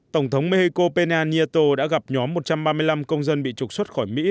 tổng thống mexico penan yato đã gặp nhóm một trăm ba mươi năm công dân bị trục xuất khỏi mỹ